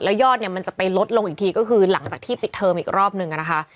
ยอดเนี่ยมันจะไปลดลงอีกทีก็คือหลังจากที่ปิดเทอมอีกรอบนึงนะคะ